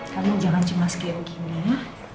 kamu jangan cuma sikap gini ya